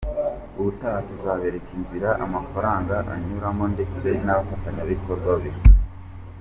Ubutaha tuzabereka inzira amafaranga anyuramo ndetse n’abafatanyabikorwa be.